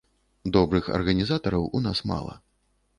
Добрых арганізатараў у нас мала.